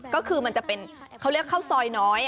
ก็คือมันจะเป็นเขาเรียกข้าวซอยน้อย